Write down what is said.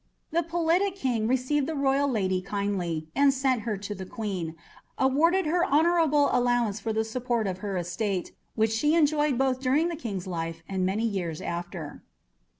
The politic king received the royal lady kindly, and sent her to the queen; awarded her "honourable allowance for the support of her estate, which she enjoyed both during the king's life and many years after."